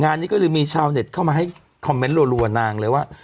งานนี้ก็เลยมีชาวเน็ตเข้ามาให้คอมเมนต์รัวนางเลยว่า